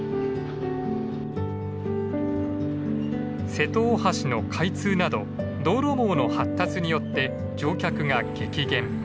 瀬戸大橋の開通など道路網の発達によって乗客が激減。